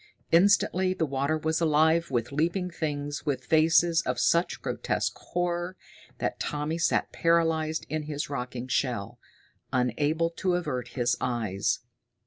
Instantly the water was alive with leaping things with faces of such grotesque horror that Tommy sat paralyzed in his rocking shell, unable to avert his eyes.